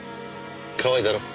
かわいいだろう？